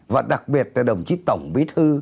và đặc biệt là đồng chí tổng bí thư